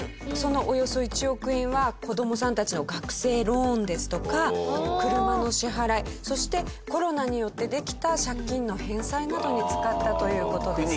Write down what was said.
およそ１億円は子供さんたちの学生ローンですとか車の支払いそしてコロナによってできた借金の返済などに使ったという事です。